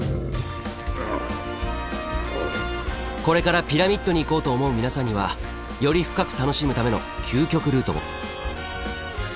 これからピラミッドに行こうと思う皆さんにはより深く楽しむための究極ルートを。